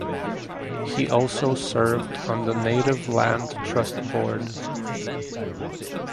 He also served on the Native Land Trust Board.